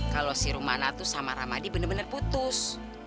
kalau si rumah anak tuh sama rahmadi bener bener putus